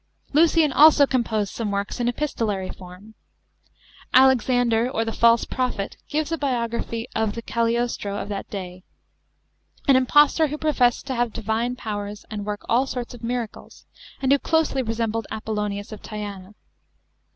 Lucian also composed some works in epistolary form. Alex ander or the False Prophet gives a biography of the Cagliostro of that, day, an impostor who professed to have divine powers and work all sorts of miracles and who closely resembled Apollonius of Tyana.